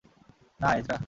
না, এজরা!